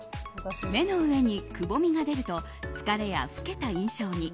目の上にくぼみが出ると疲れや老けた印象に。